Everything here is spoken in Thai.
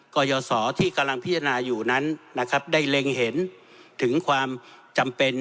กรยศที่กำลังพิจารณาอยู่นั้นนะครับได้เล็งเห็นถึงความจำเป็น